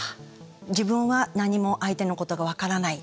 自分は何も相手のことが分からない。